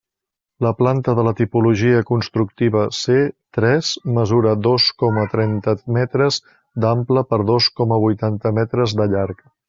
La planta de la tipologia constructiva C tres mesura dos coma trenta metres d'ample per dos coma vuitanta metres de llarg.